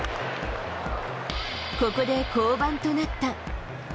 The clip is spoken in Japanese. ここで降板となった。